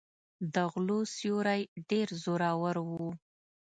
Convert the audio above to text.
د غلو سیوری ډېر زورور و.